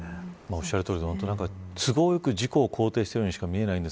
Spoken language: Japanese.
おっしゃるとおりで、都合よく自己を肯定しているようにしか思えません。